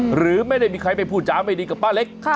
หรือไม่ได้มีใครไปพูดจาไม่ดีกับป้าเล็ก